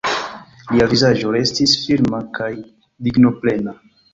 Lia vizaĝo restis firma kaj dignoplena.